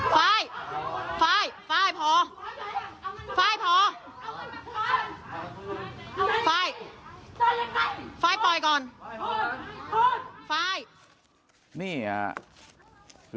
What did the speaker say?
ไฟล์ไฟล์อย่าพอ